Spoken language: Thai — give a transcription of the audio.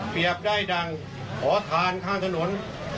เปรียบได้ดังอร่อทานข้างถนน